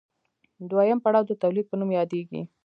دویم پړاو د تولید په نوم یادېږي